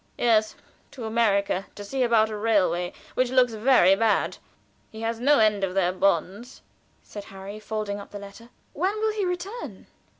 "Yes, to America, to see about a railway which looks very bad. He has no end of their bonds," said Harry, folding up the letter. "When will he return?"